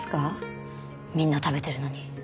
みんな食べてるのに。